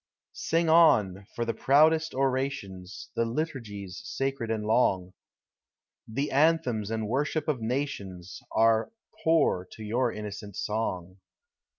Sing on, — for the proudest orations, The liturgies sacred and long, The anthems and worship of nations, Are poor to your innocent soug.